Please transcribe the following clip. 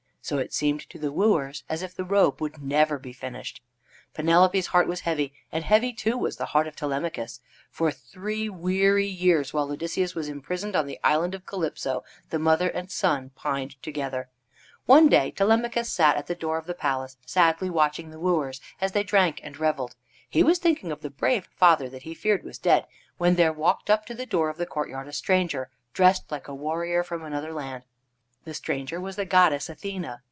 So it seemed to the wooers as if the robe would never be finished. Penelope's heart was heavy, and heavy, too, was the heart of Telemachus. For three weary years, while Odysseus was imprisoned on the island of Calypso, the mother and son pined together. One day Telemachus sat at the door of the palace sadly watching the wooers as they drank and reveled. He was thinking of the brave father that he feared was dead, when there walked up to the door of the courtyard a stranger dressed like a warrior from another land. The stranger was the goddess Athene.